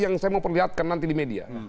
yang saya mau perlihatkan nanti di media